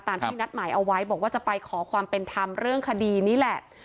ที่นัดหมายเอาไว้บอกว่าจะไปขอความเป็นธรรมเรื่องคดีนี่แหละ